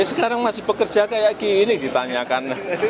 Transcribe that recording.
sekarang masih bekerja kayak gini ditanyakan